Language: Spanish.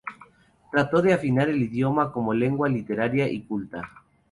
Trató de afianzar el idioma como lengua literaria y culta.